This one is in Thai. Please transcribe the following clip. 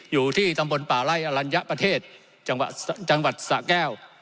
อยู่ที่ตำบลป่าไล่อลัญญประเทศจังหวัดสะแก้ว